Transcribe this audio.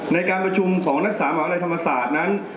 ในการประชุมของนักศึกษามหาวิทยาลัยธรรมศาสตร์นั้น